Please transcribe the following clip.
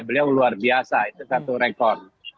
beliau luar biasa itu satu rekor